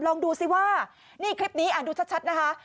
ลองดูซิว่านี่คลิปนี้ดูชัดนะคะ